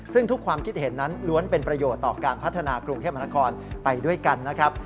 ซึ่งทุกความคิดเห็นนั้นล้วนเป็นประโยชน์ต่อการพัฒนากรุงเทพมหานครไปด้วยกันนะครับ